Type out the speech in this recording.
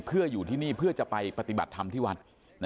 เพื่ออยู่ที่นี่เพื่อจะไปปฏิบัติธรรมที่วัด